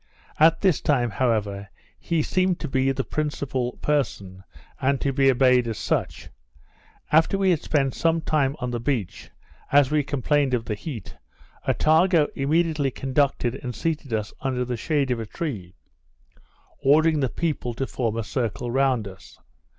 At this time, however, he seemed to be the principal person, and to be obeyed as such. After we had spent some time on the beach, as we complained of the heat, Attago immediately conducted and seated us under the shade of a tree, ordering the people to form a circle round us.